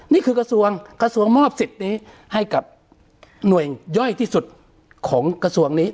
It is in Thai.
กระทรวงกระทรวงมอบสิทธิ์นี้ให้กับหน่วยย่อยที่สุดของกระทรวงนี้